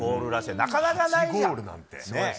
なかなかないじゃん！